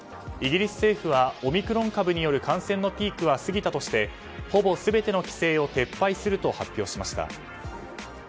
イギリス政府はオミクロン株による感染のピークは過ぎたとしてほぼ全ての規制を撤廃すると発表しました。